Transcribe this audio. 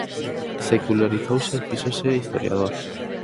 Secularizouse e fíxose historiador.